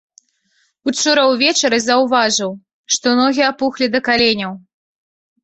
Учора ўвечары заўважыў, што ногі апухлі да каленяў.